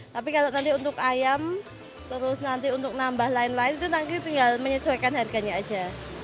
tapi kalau nanti untuk ayam terus nanti untuk nambah lain lain itu nanti tinggal menyesuaikan harganya aja